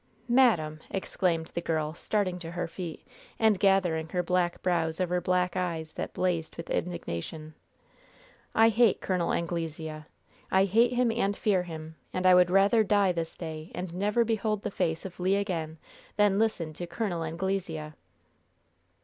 "Madam!" exclaimed the girl, starting to her feet, and gathering her black brows over black eyes that blazed with indignation, "I hate Col. Anglesea! I hate him and I fear him! And I would rather die this day and never behold the face of Le again, than listen to Col. Anglesea!"